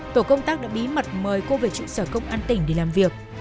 tổ công tác đã bí mật mời cô về trụ sở công an tỉnh để làm việc